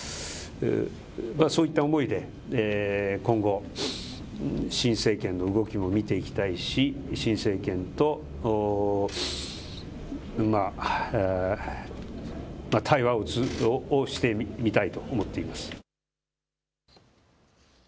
そういった思いで今後、新政権の動きも見ていきたいし新政権と対話をしてみたいと思っています。